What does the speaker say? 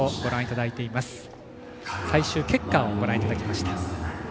最終結果をご覧いただきました。